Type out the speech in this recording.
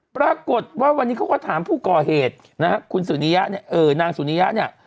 ปรากฏว่าวันนี้เขาก็ถามผู้ก่อเหตุนะฮะคุณสุนิยะเนี่ยนางสุนิยะเนี่ย